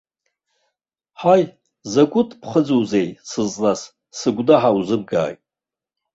Ҳаи, закәытә ԥхыӡузеи сызлаз, сыгәнаҳа узымгааит.